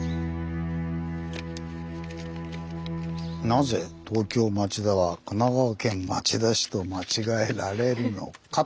「なぜ東京・町田は“神奈川県町田市”と間違えられるのか？」